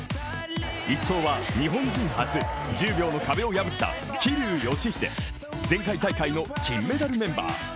１走は日本人初１０秒の壁を破った桐生祥秀選手、前回大会の金メダルメンバー。